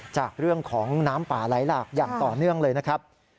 จากเรื่องของน้ำป่าไหลหลากอย่างต่อเนื่องเลยนะครับ